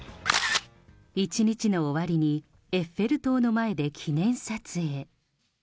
１日の終わりにエッフェル塔の前で記念撮影。